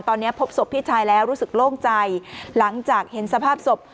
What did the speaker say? ตอนนี้พบศพพี่ชายแล้วรู้สึกโล่งใจหลังจากเห็นสภาพศพ